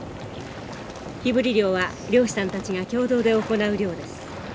火ぶり漁は漁師さんたちが共同で行う漁です。